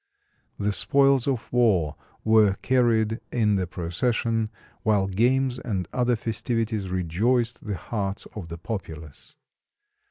The spoils of war were carried in the procession, while games and other festivities rejoiced the hearts of the populace.